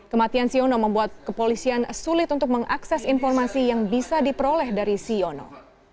kematian siono membuat kepolisian sulit untuk mengakses informasi yang bisa diperoleh dari siono